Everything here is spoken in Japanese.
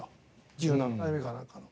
１７代目かなんかの。